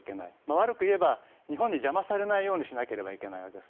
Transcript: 悪く言えば日本に邪魔されないようにしないといけないわけです。